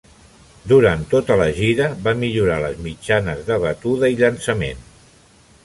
Durant tota la gira, va millorar les mitjanes de batuda i llançament.